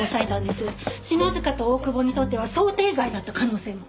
篠塚と大久保にとっては想定外だった可能性も。